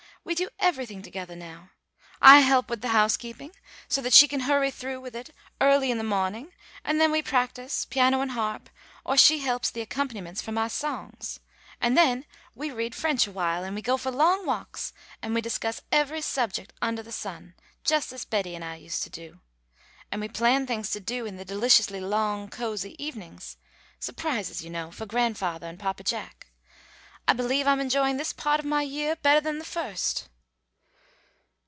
We do everything togethah now. I help with the housekeeping so that she can hurry through with it early in the mawning and then we practise, piano and harp, or she plays the accompaniments for my songs. And then we read French awhile and we go for long walks and we discuss every subject undah the sun, just as Betty and I used to do. And we plan things to do in the deliciously long cosy evenings surprises, you know, for grandfathah and Papa Jack. I believe I'm enjoying this pah't of my yeah bettah than the first."